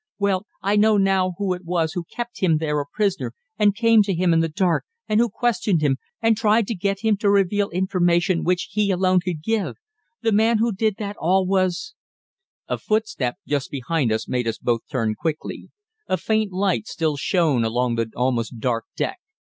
Well, I know now who it was who kept him there a prisoner, and came to him in the dark, and questioned him, and tried to get him to reveal information which he alone could give. The man who did all that was " A footstep just behind us made us both turn quickly. A faint light still shone along the almost dark deck.